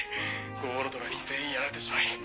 「五黄のトラ」に全員やられてしまい。